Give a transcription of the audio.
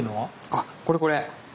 あこれこれ。